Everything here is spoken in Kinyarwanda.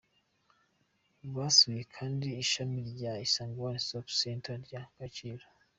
Basuye kandi Ishami rya Isange One Stop Center rya Kacyiru.